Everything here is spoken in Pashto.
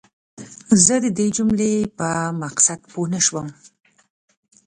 د زمکی اوبه ویستل او کرونده کول تاوان لری